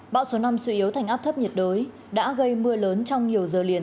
bão số năm suy yếu thành áp thấp nhiệt đới đã gây mưa lớn trong nhiều giờ liền